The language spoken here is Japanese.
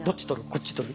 「こっち取る？」